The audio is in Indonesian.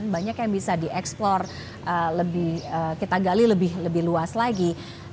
banyak yang bisa dieksplor kita gali lebih luas lagi